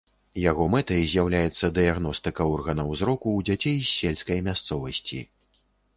Яго мэтай з'яўляецца дыягностыка органаў зроку ў дзяцей з сельскай мясцовасці.